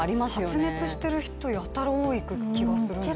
発熱してる人、やたら多い気がするんですよね。